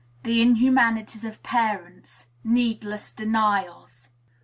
The Inhumanities of Parents Needless Denials.